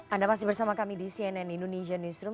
anda masih bersama kami di cnn indonesia newsroom